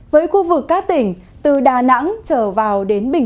với khu vực các tỉnh từ đà nẵng trở vào đến bình